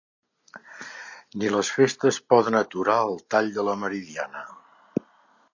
Ni les festes poden aturar el tall de la Meridiana